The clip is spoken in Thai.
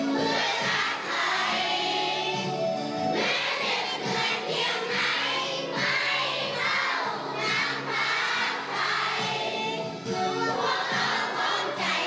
มือดึกเหลือเย็นใจไม่เข้าตามตามใจ